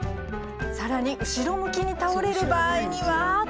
さらに後ろ向きに倒れる場合には。